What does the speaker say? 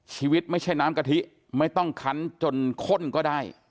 ชีวิตไม่ใช่น้ำกะทิไม่ต้องคันจนข้นก็ได้